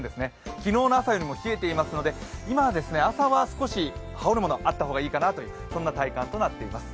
昨日の朝よりも冷えていますので朝はちょっと羽織るものがあった方がいいかな、そんな体感となっています。